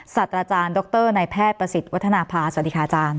สัตว์อาจารย์ดรนายแพทย์ประสิทธิ์วัฒนภาสวัสดีค่ะอาจารย์